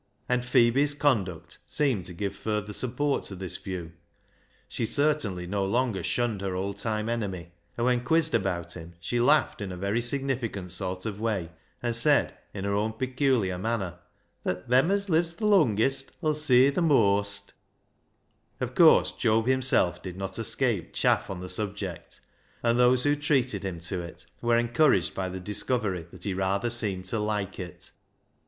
And Phebe's conduct seemed to give further support to this view. She certainly no longer shunned her old time enemy ; and when quizzed about him, she laughed in a very significant sort of way, and said in her own peculiar manner that " them as lives th' lungest 'ull see th' mooast." THE HAUNTED MAN 403 Of course Job himself did not escape chaff on the subject, and those who treated him to it were encouraged by the discovery that he rather seemed to like it.